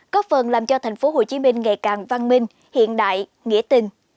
có phần làm cho thành phố hồ chí minh ngày càng văn minh hiện đại nghĩa tình